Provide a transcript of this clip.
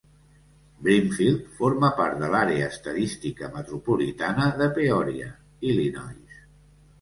Brimfield forma part de l'àrea estadística metropolitana de Peoria, Illinois.